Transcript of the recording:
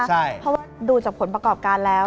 เพราะว่าดูจากผลประกอบการแล้ว